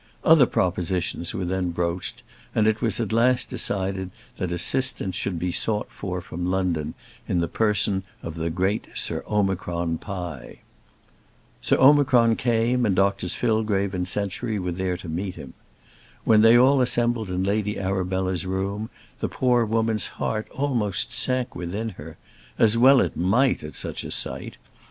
Other propositions were then broached, and it was at last decided that assistance should be sought for from London, in the person of the great Sir Omicron Pie. Sir Omicron came, and Drs Fillgrave and Century were there to meet him. When they all assembled in Lady Arabella's room, the poor woman's heart almost sank within her, as well it might, at such a sight.